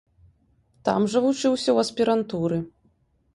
Там жа вучыўся ў аспірантуры.